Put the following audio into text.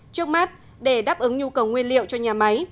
trước mắt để đáp ứng nhu cầu nguyên liệu cho nhà máy